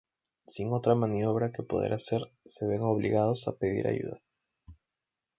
Sin otra maniobra que poder hacer, se ven obligados a pedir ayuda.